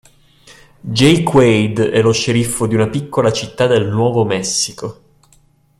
Jake Wade è lo sceriffo di una piccola città del Nuovo Messico.